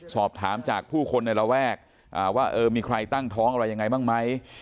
สอบถามจากผู้คนในระแวกมีใครตั้งท้องอะไรแบ่งไหม